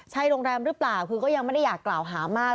ใช่โรงแรมหรือเปล่าคือก็ยังไม่ได้อยากกล่าวหามาก